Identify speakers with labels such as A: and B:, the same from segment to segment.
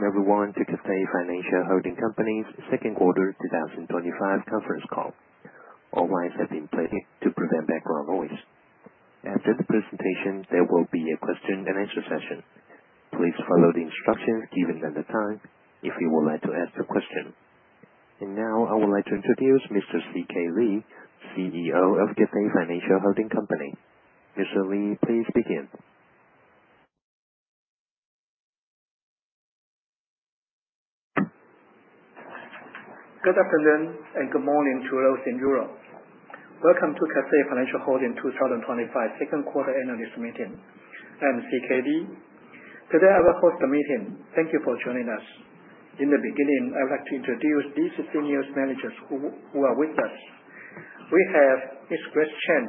A: Welcome everyone to Cathay Financial Holding Company's second quarter 2025 conference call. All lines have been placed to prevent background noise. After the presentation, there will be a question and answer session. Please follow the instructions given at the time if you would like to ask a question. Now I would like to introduce Mr. CK Lee, CEO of Cathay Financial Holding Company. Mr. Lee, please begin.
B: Good afternoon and good morning to those in Europe. Welcome to Cathay Financial Holding 2025 second quarter analyst meeting. I'm CK Lee. Today I will host the meeting. Thank you for joining us. In the beginning, I would like to introduce these senior managers who are with us. We have Ms. Grace Chen,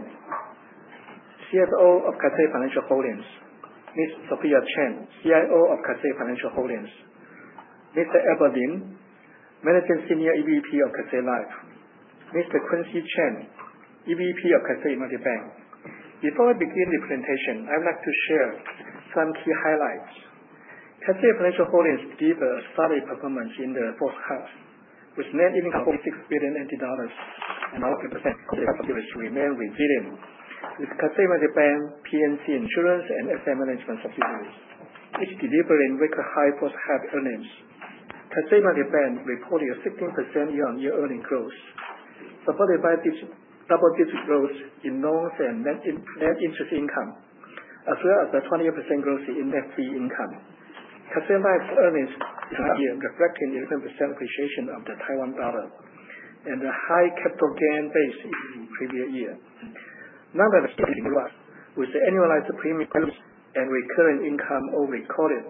B: CFO of Cathay Financial Holdings. Ms. Sophia Cheng, CIO of Cathay Financial Holdings. Mr. Abel Lin, Managing Senior EVP of Cathay Life. Mr. Quincy Chen, EVP of Cathay United Bank. Before I begin the presentation, I would like to share some key highlights. Cathay Financial Holdings gave a solid performance in the first half with net income of TWD 60.8 billion. APE remains resilient, with Cathay United Bank, P&C Insurance and asset management subsidiaries, each delivering record high first half earnings. Cathay United Bank reported a 16% year-on-year earnings growth, supported by double digit growth in loans and net interest income, as well as a 20% growth in net fee income. Cathay Life's earnings for the year, reflecting 11% appreciation of the Taiwan dollar and a high capital gain base in the previous year. Nonetheless, with the annualized premium growth and recurring income all recorded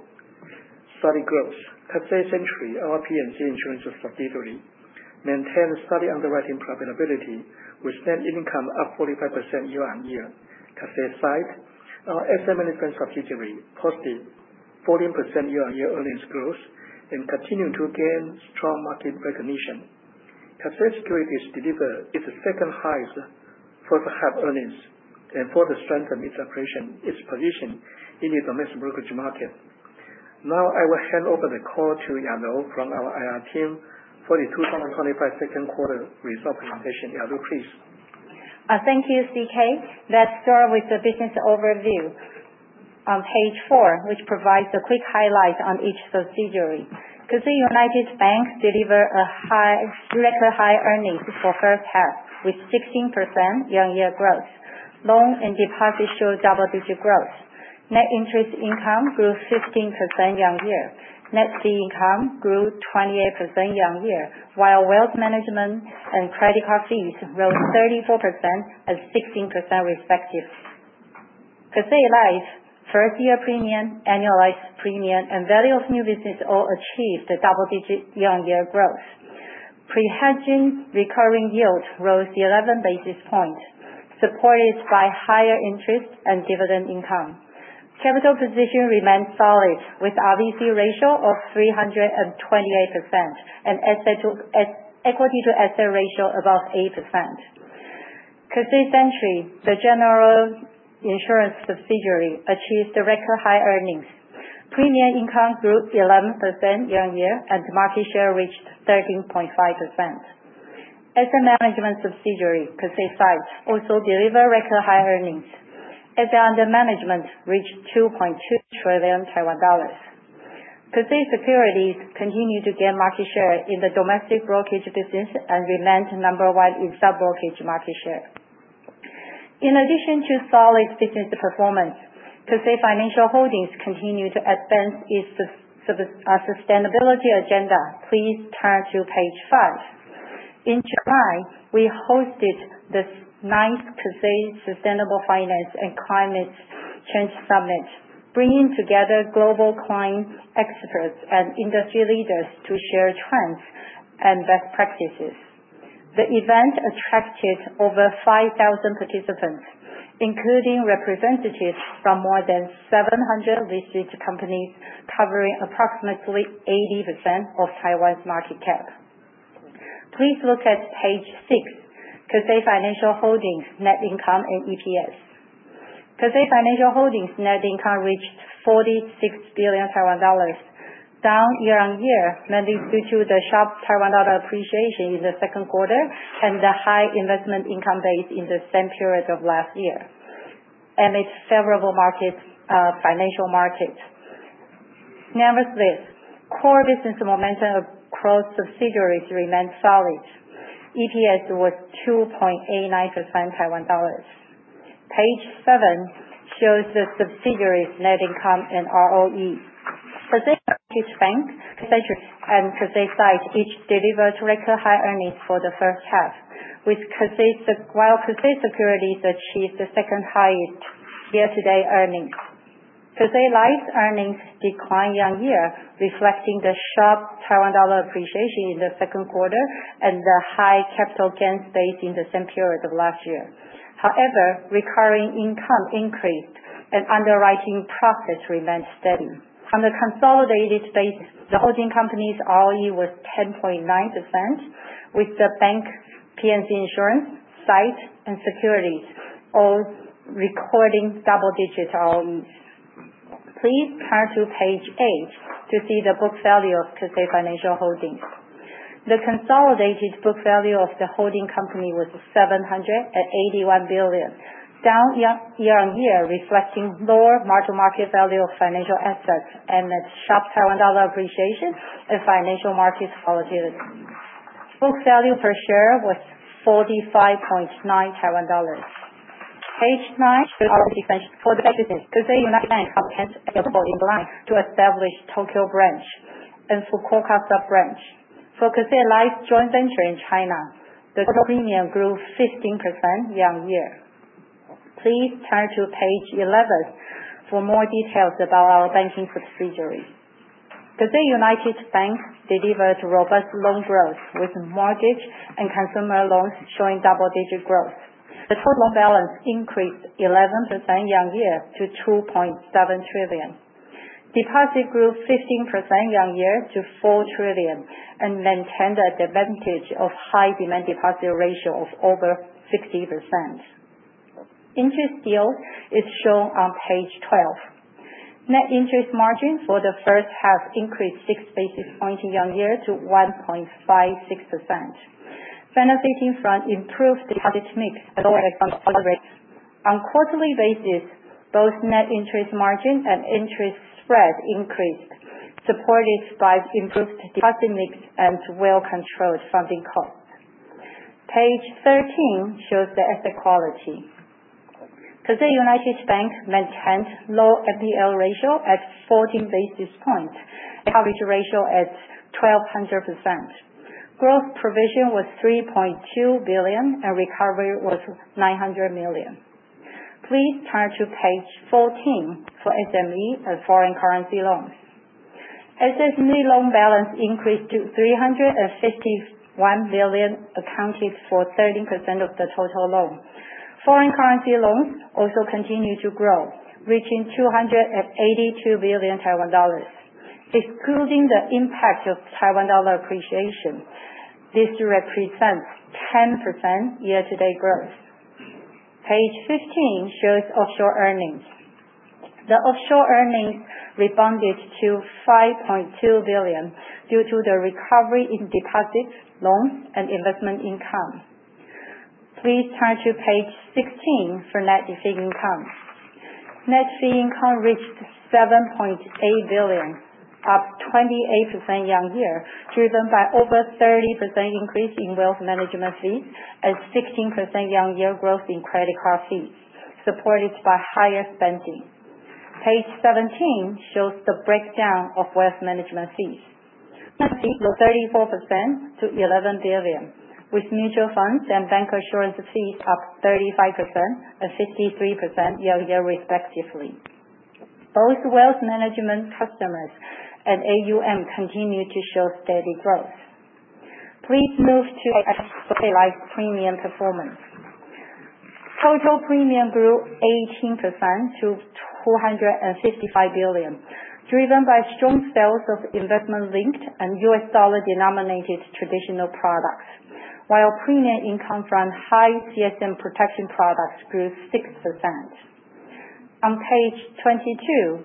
B: solid growth. Cathay Century, our P&C Insurance subsidiary, maintained solid underwriting profitability, with net income up 45% year-on-year. Cathay SITE, our asset management subsidiary, posted 14% year-on-year earnings growth and continued to gain strong market recognition. Cathay Securities delivered its second-highest first-half earnings and further strengthened its position in the domestic brokerage market. Now I will hand over the call to Yajou from our IR team for the 2025 second quarter result presentation. Yajou, please.
C: Thank you, CK. Let's start with the business overview on page 4, which provides a quick highlight on each subsidiary. Cathay United Bank delivered record high earnings for first half, with 16% year-on-year growth. Loans and deposits show double-digit growth. Net interest income grew 15% year-on-year. Net fee income grew 28% year-on-year, while wealth management and credit card fees rose 34% and 16% respectively. Cathay Life Insurance, first-year premium, annualized premium and value of new business all achieved a double-digit year-on-year growth. Pre-hedging recurring yield rose 11 basis points, supported by higher interest and dividend income. Capital position remains solid, with RBC ratio of 328% and equity-to-asset ratio above 8%. Cathay Century Insurance, the general insurance subsidiary, achieved the record high earnings. Premium income grew 11% year-on-year, and market share reached 13.5%. Asset management subsidiary, Cathay SITE, also delivered record high earnings. Assets under management reached 2.2 trillion Taiwan dollars. Cathay Securities continued to gain market share in the domestic brokerage business and remained number one in sub-brokerage market share. In addition to solid business performance, Cathay Financial Holdings continue to advance its sustainability agenda. Please turn to page 5. In July, we hosted the ninth Cathay Sustainable Finance and Climate Change Summit, bringing together global client experts and industry leaders to share trends and best practices. The event attracted over 5,000 participants, including representatives from more than 700 listed companies, covering approximately 80% of Taiwan's market cap. Please look at page 6, Cathay Financial Holdings net income and EPS. Cathay Financial Holdings net income reached 46 billion Taiwan dollars, down year-over-year, mainly due to the sharp Taiwan dollar appreciation in the second quarter and the high investment income base in the same period of last year, and its favorable markets, financial markets. Nevertheless, core business momentum across subsidiaries remained solid. EPS was 2.89 TWD. Page 7 shows the subsidiaries' net income and ROE. Cathay United Bank, Cathay Securities and Cathay SITE each delivered record high earnings for the first half, while Cathay Securities achieved the second highest year-to-date earnings. Cathay Life's earnings declined year-over-year, reflecting the sharp Taiwan dollar appreciation in the second quarter and the high capital gains base in the same period of last year. However, recurring income increased and underwriting profits remained steady. On the consolidated basis, the holding company's ROE was 10.9%, with the bank, P&C Insurance, SITE and Securities all recording double-digit ROE. Please turn to page 8 to see the book value of Cathay Financial Holdings. The consolidated book value of the holding company was 781 billion, down year-on-year, reflecting lower marginal market value of financial assets and the sharp Taiwan dollar appreciation and financial market volatility. Book value per share was 45.9 Taiwan dollars. Page 9 for the business, Cathay United Bank has to establish Tokyo branch and Fukuoka sub-branch. For Cathay Life joint venture in China, the total premium grew 15% year-on-year. Please turn to page 11 for more details about our banking subsidiary. Cathay United Bank delivered robust loan growth, with mortgage and consumer loans showing double-digit growth. The total balance increased 11% year-on-year to 2.7 trillion. Deposit grew 15% year-on-year to 4 trillion and maintained an advantage of high demand deposit ratio of over 60%. Interest yield is shown on page 12. Net interest margin for the first half increased six basis points year-on-year to 1.56%. Benefiting from improved deposit mix rates. On a quarterly basis, both net interest margin and interest spread increased, supported by improved deposit mix and well-controlled funding costs. Page 13 shows the asset quality. Cathay United Bank maintained low NPL ratio at 14 basis points, coverage ratio at 1,200%. Growth provision was 3.2 billion, and recovery was 900 million. Please turn to page 14 for SME and foreign currency loans. SME loan balance increased to 351 billion, accounted for 13% of the total loan. Foreign currency loans also continued to grow, reaching 282 billion Taiwan dollars. Excluding the impact of Taiwan dollar appreciation, this represents 10% year-to-date growth. Page 15 shows offshore earnings. The offshore earnings rebounded to 5.2 billion due to the recovery in deposits, loans, and investment income. Please turn to page 16 for net fee income. Net fee income reached 7.8 billion, up 28% year-on-year, driven by over 30% increase in wealth management fees and 16% year-on-year growth in credit card fees, supported by higher spending. Page 17 shows the breakdown of wealth management fees. 34% to 11 billion, with mutual funds and bancassurance fees up 35% and 53% year-on-year respectively. Both wealth management customers and AUM continue to show steady growth. Please move to premium performance. Total premium grew 18% to 455 billion, driven by strong sales of investment-linked and U.S. dollar-denominated traditional products, while premium income from high CSM protection products grew 6%. On page 22,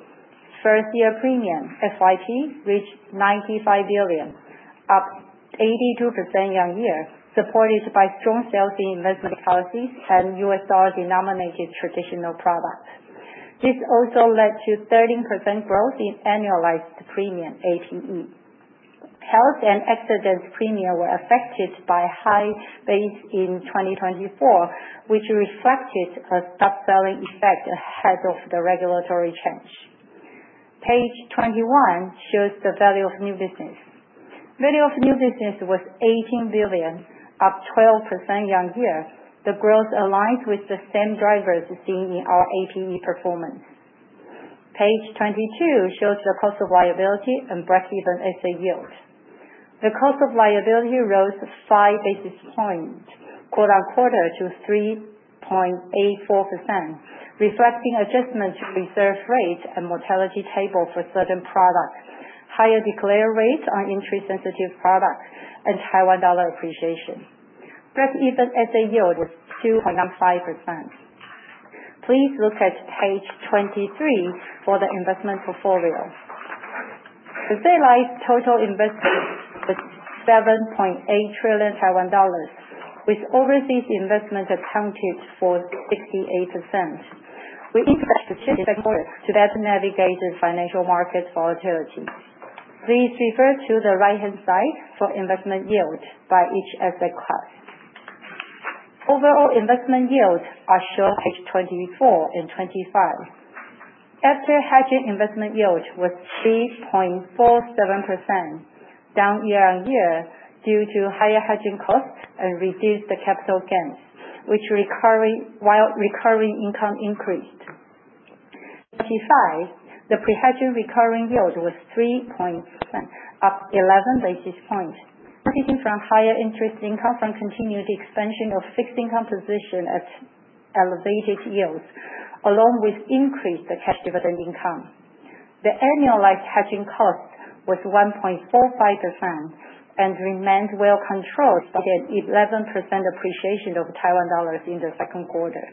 C: first-year premium, FYP, reached 95 billion, up 82% year-on-year, supported by strong sales in investment policies and U.S. dollar-denominated traditional products. This also led to 13% growth in annualized premium, APE. Health and accident premium were affected by high base in 2024, which reflected a stop-selling effect ahead of the regulatory change. Page 21 shows the value of new business. Value of new business was 18 billion, up 12% year-on-year. The growth aligns with the same drivers seen in our APE performance. Page 22 shows the cost of liability and breakeven SA yield. The cost of liability rose five basis points quarter-on-quarter to 3.84%, reflecting adjustments to reserve rates and mortality table for certain products, higher declare rates on interest-sensitive products, and Taiwan dollar appreciation. Breakeven SA yield was 2.95%. Please look at page 23 for the investment portfolio. Cathay Life's total investment was 7.8 trillion Taiwan dollars, with overseas investment accounted for 68%. We increased to better navigate the financial market volatility. Please refer to the right-hand side for investment yield by each asset class. Overall investment yields are shown page 24 and 25. After hedging investment yield was 3.47%, down year-on-year due to higher hedging costs and reduced capital gains while recurring income increased. The pre-hedging recurring yield was 3.6, up 11 basis points, benefiting from higher interest income from continued expansion of fixed income position at elevated yields, along with increased cash dividend income. The annualized hedging cost was 1.45% and remained well controlled despite 11% appreciation of the Taiwan dollar in the second quarter.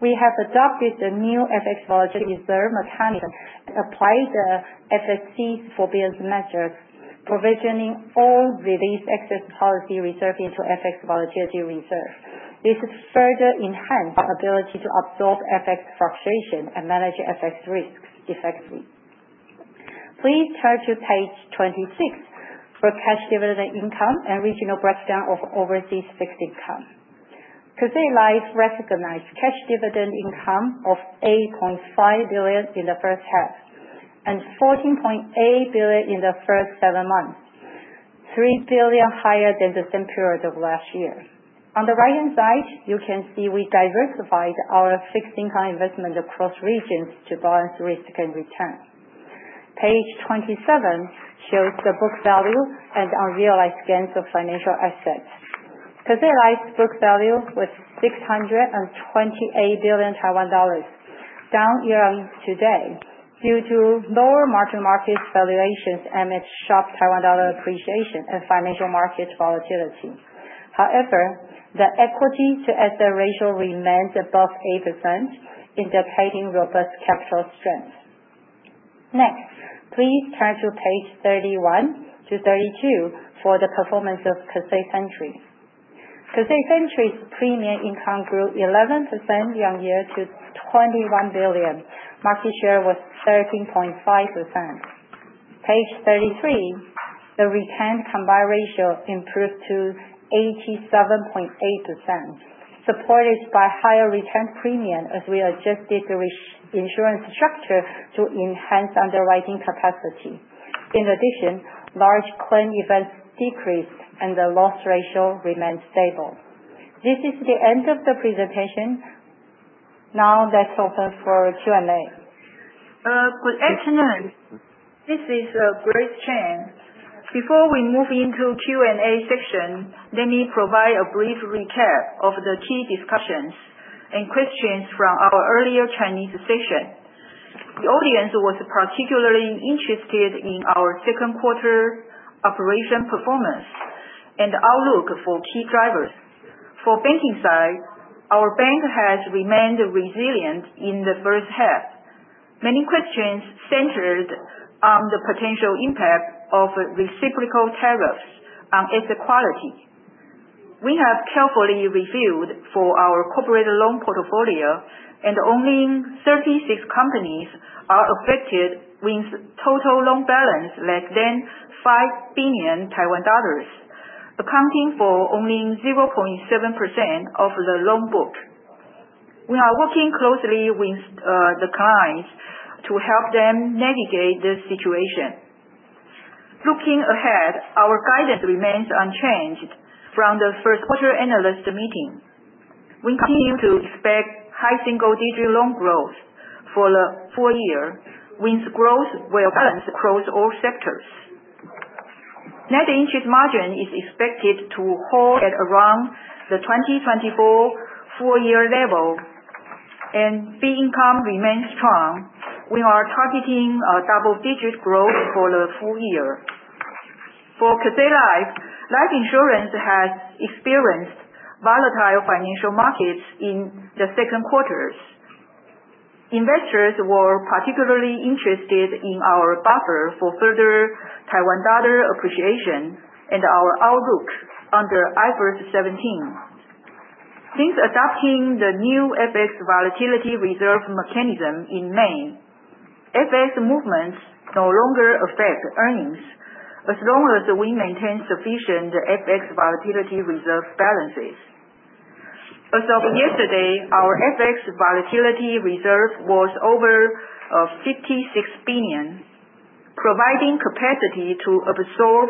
C: We have adopted the new FX volatility reserve mechanism and applied the FSC's forbearance measures, provisioning all released excess policy reserve into FX volatility reserve. This further enhanced our ability to absorb FX fluctuation and manage FX risks effectively. Please turn to page 26 for cash dividend income and regional breakdown of overseas fixed income. Cathay Life recognized cash dividend income of 8.5 billion in the first half and 14.8 billion in the first seven months, 3 billion higher than the same period of last year. On the right-hand side, you can see we diversified our fixed income investment across regions to balance risk and return. Page 27 shows the book value and unrealized gains of financial assets. Cathay Life's book value was TWD 628 billion, down year-on-year to date due to lower mark-to-market valuations amid sharp Taiwan dollar appreciation and financial market volatility. However, the equity-to-asset ratio remains above 8%, indicating robust capital strength. Next, please turn to page 31 to 32 for the performance of Cathay Century. Cathay Century's premium income grew 11% year-on-year to 21 billion. Market share was 13.5%. Page 33, the retained combined ratio improved to 87.8%, supported by higher retained premium as we adjusted the reinsurance structure to enhance underwriting capacity. In addition, large claim events decreased and the loss ratio remained stable. This is the end of the presentation. Now let's open for Q&A.
D: Good afternoon. This is Grace Chen. Before we move into Q&A session, let me provide a brief recap of the key discussions and questions from our earlier Chinese session. The audience was particularly interested in our second quarter operation performance and outlook for key drivers. For banking side, our bank has remained resilient in the first half. Many questions centered on the potential impact of reciprocal tariffs on its quality. We have carefully reviewed for our corporate loan portfolio, and only 36 companies are affected with total loan balance less than 5 billion Taiwan dollars, accounting for only 0.7% of the loan book. We are working closely with the clients to help them navigate the situation. Looking ahead, our guidance remains unchanged from the first quarter analyst meeting. We continue to expect high single-digit loan growth for the full year, with growth well balanced across all sectors. Net interest margin is expected to hold at around the 2024 full-year level, and fee income remains strong. We are targeting double-digit growth for the full year. For Cathay Life, life insurance has experienced volatile financial markets in the second quarter. Investors were particularly interested in our buffer for further Taiwan dollar appreciation and our outlook under IFRS 17. Since adopting the new FX volatility reserve mechanism in May, FX movements no longer affect earnings as long as we maintain sufficient FX volatility reserve balances. As of yesterday, our FX volatility reserve was over NT$56 billion, providing capacity to absorb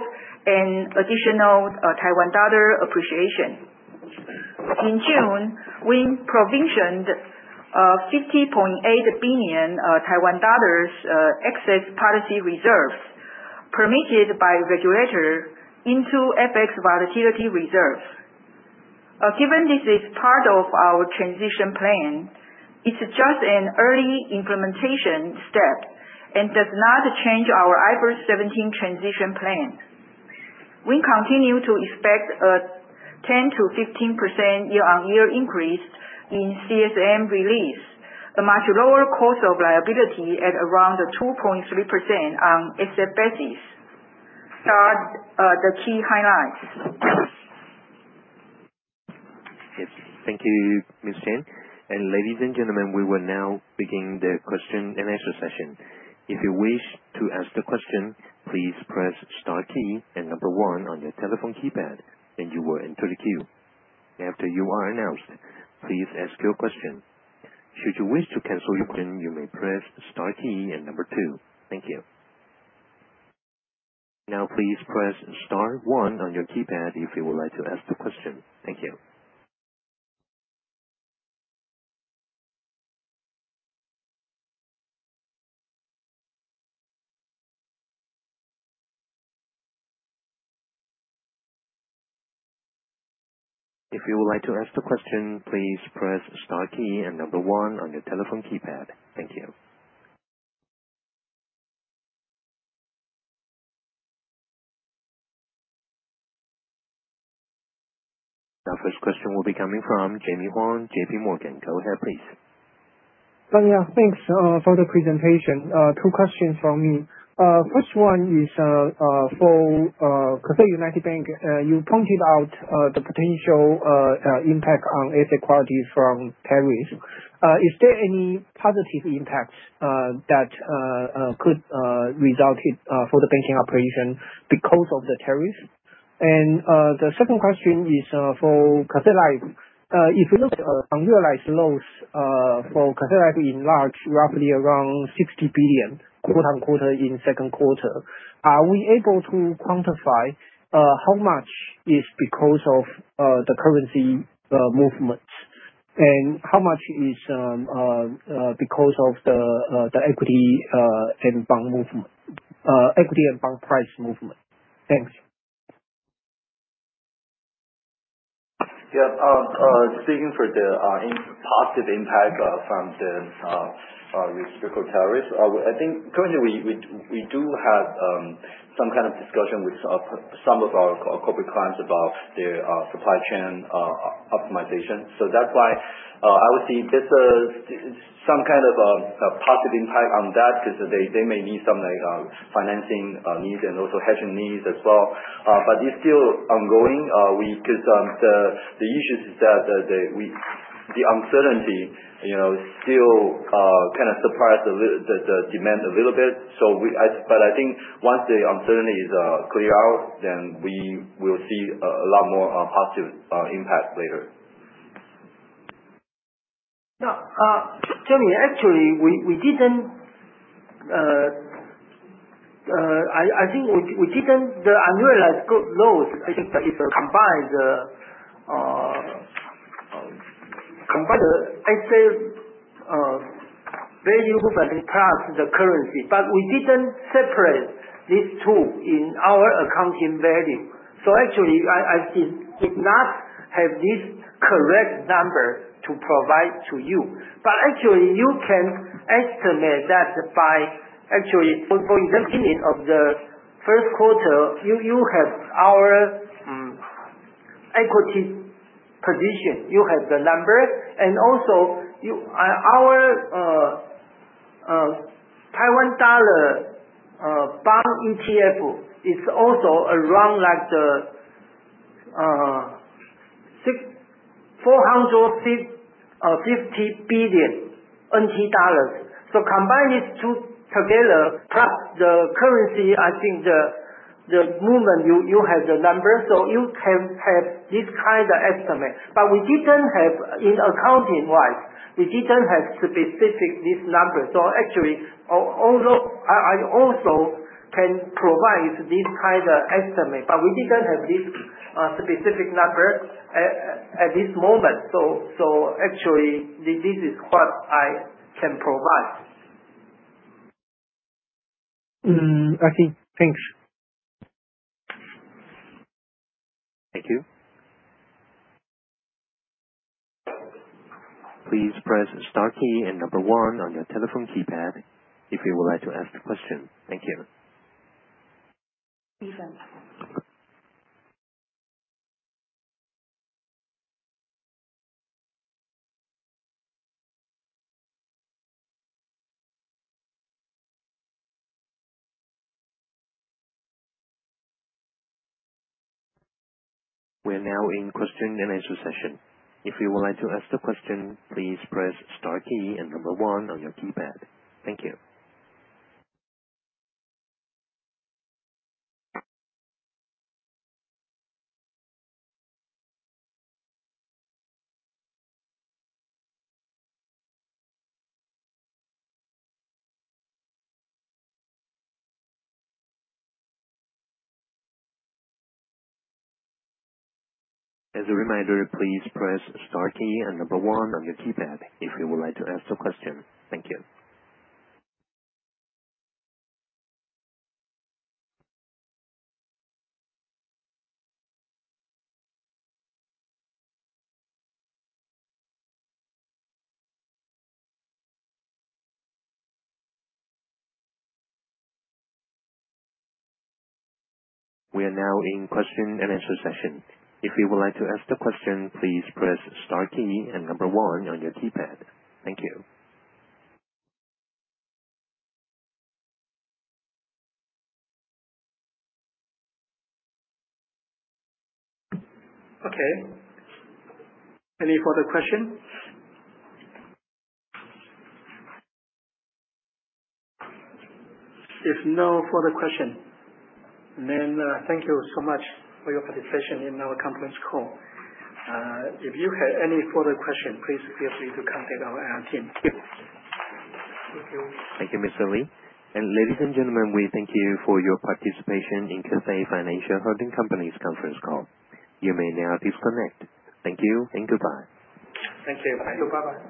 D: an additional Taiwan dollar appreciation. In June, we provisioned TWD 50.8 billion excess policy reserves permitted by regulator into FX volatility reserve. Given this is part of our transition plan, it's just an early implementation step and does not change our IFRS 17 transition plan. We continue to expect a 10%-15% year-over-year increase in CSM release, a much lower cost of liability at around 2.3% on as adjusted basis. These are the key highlights.
A: Yes. Thank you, Ms. Chen. Ladies and gentlemen, we will now begin the question and answer session. If you wish to ask the question, please press star key and number one on your telephone keypad, and you will enter the queue. After you are announced, please ask your question. Should you wish to cancel your question, you may press star key and number two. Thank you. Now, please press star one on your keypad if you would like to ask the question. Thank you. Our first question will be coming from Jimmy Huang, JPMorgan. Go ahead, please.
E: Thanks for the presentation. Two questions from me. First one is for Cathay United Bank. You pointed out the potential impact on asset quality from tariffs. Is there any positive impacts that could result in for the banking operation because of the tariffs? The second question is for Cathay Life. If you look at unrealized loss for Cathay Life is large, roughly around 60 billion quarter-on-quarter in second quarter, are we able to quantify how much is because of the currency movement and how much is because of the equity and bond price movement? Thanks.
F: Yeah. Speaking of the positive impact from the reciprocal tariffs, I think currently we do have some kind of discussion with some of our corporate clients about their supply chain optimization. That's why I would say this is some kind of a positive impact on that 'cause they may need some, like, financing needs and also hedging needs as well. But it's still ongoing. The issue is that the uncertainty, you know, still kind of surprises the demand a little bit. But I think once the uncertainty is cleared up then we will see a lot more positive impact later.
G: Yeah. Jimmy, actually, I think we didn't. The unrealized loss, I think that if you combine the asset value plus the currency, but we didn't separate these two in our accounting value. Actually, I think we did not have the correct number to provide to you. But actually you can estimate that by actually for example of the first quarter, you have our equity position. You have the number and also you, our Taiwan dollar bond ETF is also around like 640-650 billion TWD. So combine these two together, plus the currency, I think the movement, you have the numbers, so you can have this kind of estimate. But we didn't have, accounting-wise, we didn't have this specific number. Actually, although I also can provide this kind of estimate, but we didn't have this specific number at this moment. Actually, this is what I can provide.
E: Okay. Thanks.
A: Thank you. Please press star key and number one on your telephone keypad if you would like to ask a question. Thank you. We're now in question and answer session. If you would like to ask the question, please press star key and number one on your keypad. Thank you. As a reminder, please press star key and number one on your keypad if you would like to ask the question. Thank you. We are now in question and answer session. If you would like to ask the question, please press star key and number one on your keypad. Thank you.
B: Okay. Any further question? If no further question, then, thank you so much for your participation in our conference call. If you have any further question, please feel free to contact our IR team.
A: Thank you, Mr. Lee. Ladies and gentlemen, we thank you for your participation in Cathay Financial Holding's conference call. You may now disconnect. Thank you and goodbye.
B: Thank you. Bye bye.